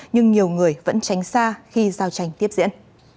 nhưng nhiều người vẫn tránh xa khi giao tranh tiếp diễn